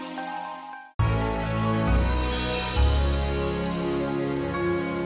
sampai jumpa lagi